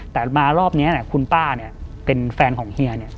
แต่มารอบนี้คุณป้าเนี่ยเป็นแฟนของเฮีย